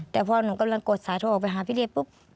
แต่พอหนูกำลังกดสายโทรออกไปหาพี่เดชปุ๊บ